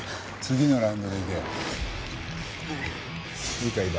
次のラウンドでいけ。